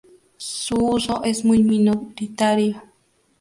Su uso es muy minoritario.